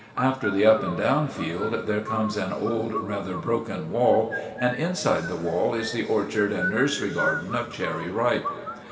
After the up and down field there comes an old, rather broken wall, and inside the wall is the orchard and nursery garden of Cherry Ripe.